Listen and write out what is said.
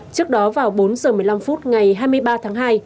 trước đó vào bốn giờ một mươi năm phút ngày hai mươi ba tháng hai